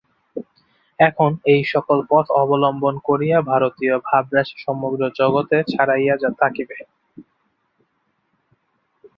এখন এই-সকল পথ অবলম্বন করিয়া ভারতীয় ভাবরাশি সমগ্র জগতে ছড়াইতে থাকিবে।